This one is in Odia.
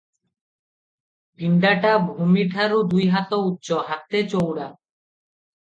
ପିଣ୍ଡାଟା ଭୂମିଠାରୁ ଦୁଇହାତ ଉଚ୍ଚ, ହାତେ ଚଉଡ଼ା ।